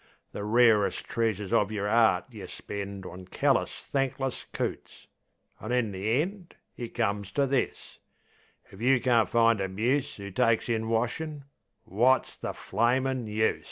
The rarest treasures of yer 'eart yeh spend On callous, thankless coots; an' in the end It comes to this: if you can't find a muse 'Oo takes in washin', wot's the flamin' use?